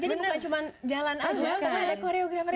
jadi bukan cuma jalan aja tapi ada koreografer